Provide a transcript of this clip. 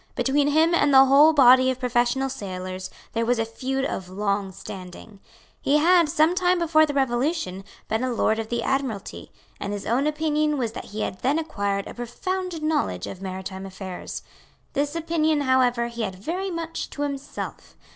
Between him and the whole body of professional sailors there was a feud of long standing. He had, some time before the Revolution, been a Lord of the Admiralty; and his own opinion was that he had then acquired a profound knowledge of maritime affairs. This opinion however he had very much to himself.